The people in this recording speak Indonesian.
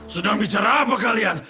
sedang bicara abak kalian